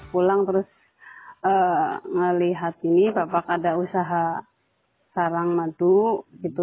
pulang terus melihat ini bapak ada usaha sarang madu gitu